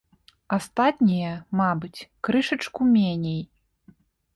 Астатнія, мабыць, крышачку меней.